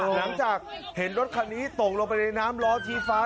หลังจากเห็นรถคันนี้ตกลงไปในน้ำล้อชี้ฟ้า